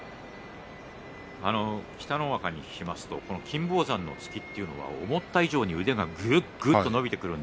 北の若に聞くと金峰山の突きというのは思った以上に腕が、ぐっとぐっと伸びてくる。